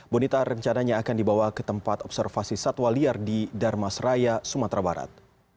bonita rencananya akan dibawa ke tempat observasi satwa liar di darmas raya sumatera barat